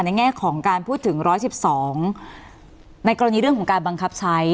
แง่ของการพูดถึง๑๑๒ในกรณีเรื่องของการบังคับใช้